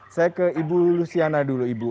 saya ke ibu luciana dulu ibu